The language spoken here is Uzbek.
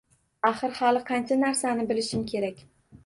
Axir, hali qancha narsani bilishim kerak!